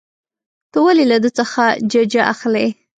ته ولې له ده څخه ججه اخلې.